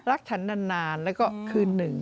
รักฉันนานแล้วก็คือหนึ่ง